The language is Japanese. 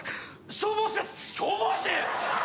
消防士！？